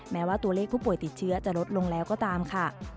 แม้ว่าตัวเลขผู้ป่วยติดเชื้อจะลดลงแล้วก็ตามค่ะ